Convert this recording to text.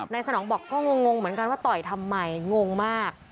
สนองบอกก็งงเหมือนกันว่าต่อยทำไมงงมาก